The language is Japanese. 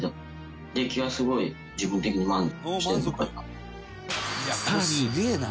出来はすごい自分的に満足してるのかな。